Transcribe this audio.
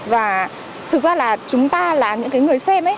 và thực ra là chúng ta là những cái người xem ấy